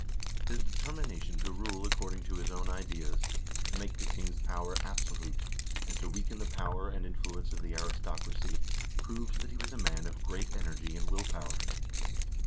His determination to rule according to his own ideas, to make the king's power absolute, and to weaken the power and influence of the aris tocracy proves that he was a man of great energy and will power.